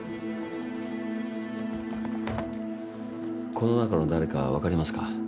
・この中の誰かわかりますか？